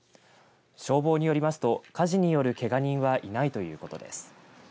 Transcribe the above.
消防によりますと火事によるけが人はいないということです。